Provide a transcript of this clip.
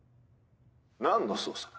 何の捜査だ？